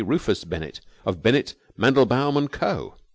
Rufus Bennett, of Bennett, Mandelbaum and Co.